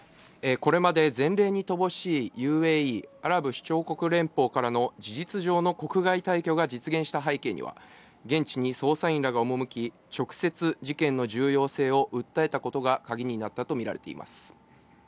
これまで前例に乏しいＵＡＥ＝アラブ首長国連邦からの事実上の国外退去が実現した背景には、現地に捜査員らが赴き、直接、事件の重要性を訴えたことがカギになったとみられています。